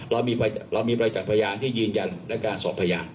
เรามีประจักษ์พยานที่ยืนยันและการสอบพยาน